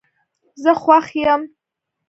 زه خوښ یم